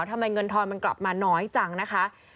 เงินทอนมันกลับมาน้อยจังนะคะ